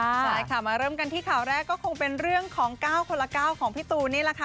ใช่ค่ะมาเริ่มกันที่ข่าวแรกก็คงเป็นเรื่องของ๙คนละ๙ของพี่ตูนนี่แหละค่ะ